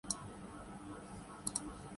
وہ میرے خوابوں کی شہزادی ہے۔